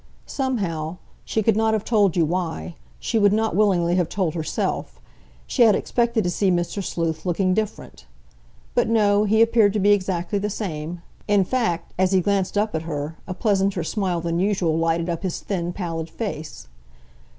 Somehow—she could not have told you why, she would not willingly have told herself—she had expected to see Mr. Sleuth looking different. But no, he appeared to be exactly the same—in fact, as he glanced up at her a pleasanter smile than usual lighted up his thin, pallid face.